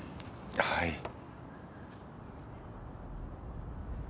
はい。